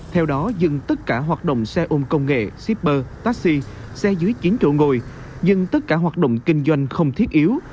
theo đó dừng tất cả hoạt động xe ôm công nghệ shipper taxi xe dưới chiến trụ ngồi dừng tất cả hoạt động kinh doanh không thiết yếu